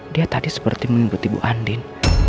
dia tadi seperti menimput ibu andin